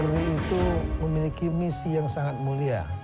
pemilih itu memiliki misi yang sangat mulia